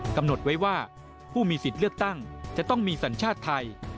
กำหนดไว้ว่าผู้มีสิทธิ์เลือกตั้งจะต้องมีสัญชาติไทย